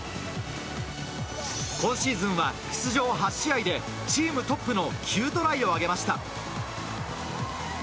今シーズンは出場８試合でチームトップの９トライを挙げました。